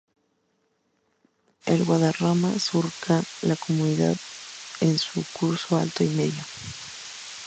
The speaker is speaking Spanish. El Guadarrama surca la comunidad en su curso alto y medio.